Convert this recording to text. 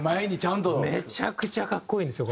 めちゃくちゃ格好いいんですよ。